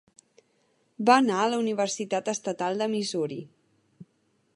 Va anar a la Universitat Estatal de Missouri.